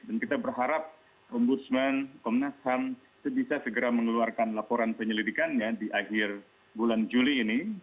dan kita berharap ombudsman komnas ham bisa segera mengeluarkan laporan penyelidikannya di akhir bulan juli ini